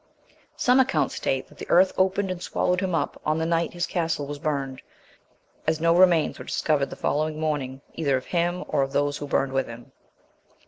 Some accounts state, that the earth opened and swallowed him up, on the night his castle was burned; as no remains were discovered the following morning, either of him, or of those who were burned with him.